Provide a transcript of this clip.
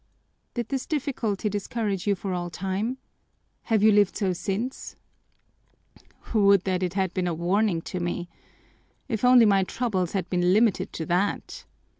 "Did this difficulty discourage you for all time? Have you lived so since?" "Would that it had been a warning to me! If only my troubles had been limited to that!